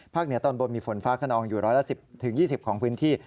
เหนือตอนบนมีฝนฟ้าขนองอยู่ร้อยละ๑๐๒๐ของพื้นที่